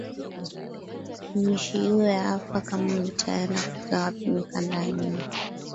Mishiyue apa kama mitenda kuza wapi mikanda ya nyumba